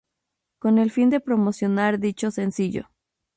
Con el fin de promocionar dicho sencillo.